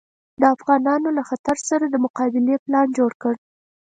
د افغانانو له خطر سره د مقابلې پلان جوړ کړ.